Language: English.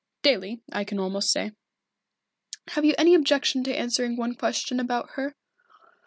"Daily, I can almost say." "Have you any objection to answering one question about her?"